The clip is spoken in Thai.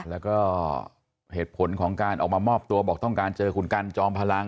แล้วก็เหตุผลของการออกมามอบตัวบอกต้องการเจอคุณกันจอมพลัง